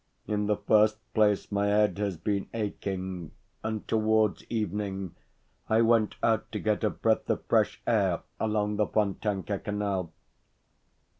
In the first place, my head has been aching, and towards evening I went out to get a breath of fresh air along the Fontanka Canal.